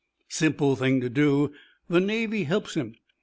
Simple thing to do. The Navy helps him.